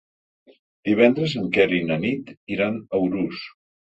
Divendres en Quer i na Nit iran a Urús.